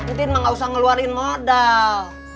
ntin mah gak usah ngeluarin modal